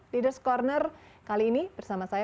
leaders ⁇ corner kali ini bersama saya